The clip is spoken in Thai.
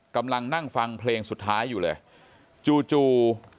กำลังนั่งฟังเพลงสุดท้ายอยู่เลยจู่จู่